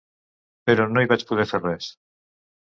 Però no hi vaig poder fer res.